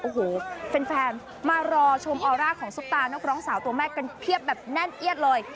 โอ้โหแฟนมารอชมออร่าของซุปตานักร้องสาวตัวแม่กันเพียบแบบแน่นเอียดเลย